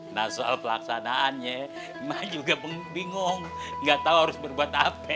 nah soal pelaksanaannya ma juga bingung nggak tahu harus berbuat apa